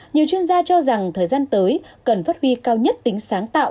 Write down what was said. nhiều chuyên gia cho rằng thời gian tới cần phát huy cao nhất tính sáng tạo